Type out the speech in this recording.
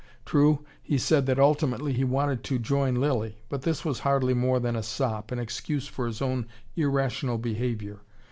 True, he said that ultimately he wanted to join Lilly. But this was hardly more than a sop, an excuse for his own irrational behaviour.